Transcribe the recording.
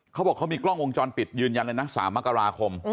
เขาบอกเขามีกล้องวงจรปิดยืนยันเลยนะ๓มกราคม